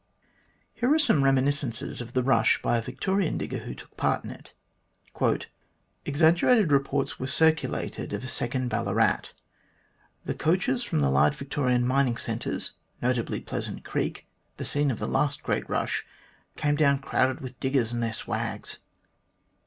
Here are some reminiscences of the rush by a Victorian digger who took part in it :" Exaggerated reports were circulated of a second Ballarat. The coaches from the large Victorian mining centres, notably Pleasant Creek, the scene of the last great rush, came down crowded with diggers and their swags.